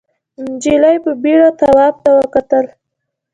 نجلۍ په بېره تواب ته وکتل.